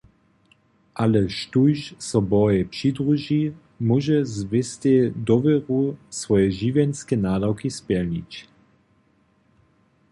Ale štóž so Bohej přidruži, móže z wěstej dowěru swoje žiwjenske nadawki spjelnić.